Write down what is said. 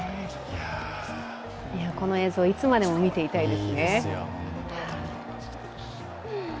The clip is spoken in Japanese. この映像、いつまでも見ていたいですよね。